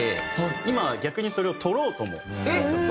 今は逆にそれを取ろうともちょっとしてて。